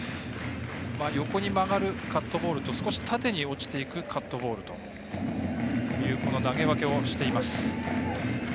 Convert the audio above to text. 横に曲がるカットボールと少し縦に落ちていくカットボールという投げ分けをしています。